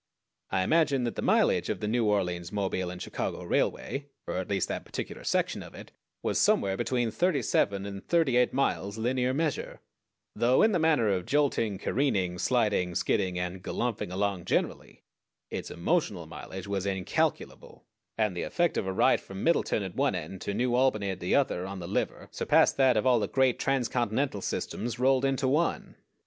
I imagine that the mileage of the New Orleans, Mobile & Chicago Railway, or at least that particular section of it, was somewhere between thirty seven and thirty eight miles linear measure; though in the matter of jolting, careening, sliding, skidding, and galumphing along generally, its emotional mileage was incalculable, and the effect of a ride from Middleton at one end to New Albany at the other on the liver surpassed that of all the great transcontinental systems rolled into one.